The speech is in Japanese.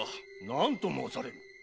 何と申される。